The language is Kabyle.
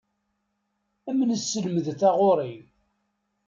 Ad am-nesselmed taɣuri.